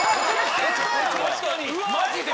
マジで！